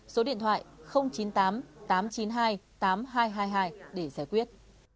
gọi chín mươi tám tám trăm chín mươi hai tám nghìn hai trăm hai mươi hai để giải quyết